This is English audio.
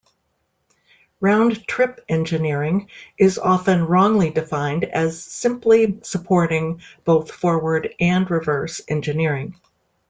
Round-trip engineering is often wrongly defined as simply supporting both forward and reverse engineering.